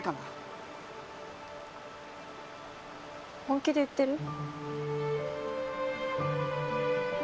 本気で言ってる？